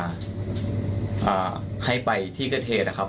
จากผู้มชา